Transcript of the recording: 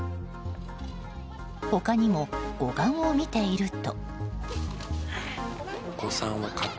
他にも護岸を見ていると。